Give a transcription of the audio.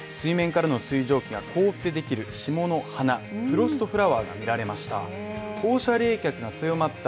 水面からの水蒸気が凍ってできる霜の花フロストフラワーが見られました